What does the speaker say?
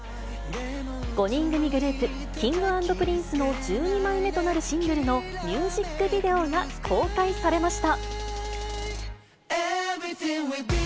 ５人組グループ、Ｋｉｎｇ＆Ｐｒｉｎｃｅの１２枚目となるシングルのミュージックビデオが公開されました。